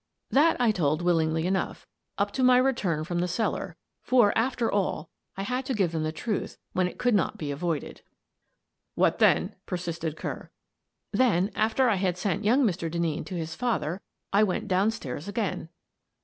" That I told willingly enough, — up to my return from the cellar, — for, after all, I had to give them the truth when it could not be avoided. " And then ?" persisted Kerr. " Then, after I had sent young Mr. Denneen to his father, I went down stairs again."